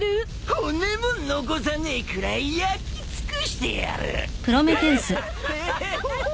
骨も残さねえくらい焼き尽くしてやる！